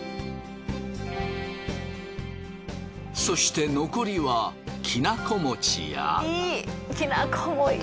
そして残りはきな粉餅や。